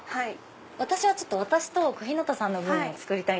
私と小日向さんの分を作りたい。